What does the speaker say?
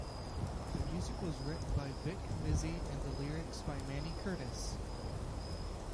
The music was written by Vic Mizzy and the lyrics by Manny Curtis.